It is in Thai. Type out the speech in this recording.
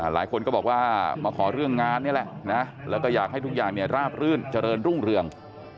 หลายคนก็บอกว่ามาขอเรื่องงานนี่แหละนะแล้วก็อยากให้ทุกอย่างราบรื่นเจริญรุ่งเรือง